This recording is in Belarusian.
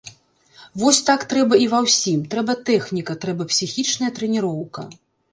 Вось так трэба і ва ўсім, трэба тэхніка, трэба псіхічная трэніроўка.